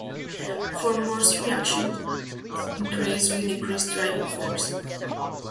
For most reactions, the rates increase with increased driving force.